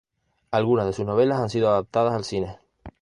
Algunas de sus novelas han sido adaptadas al cine.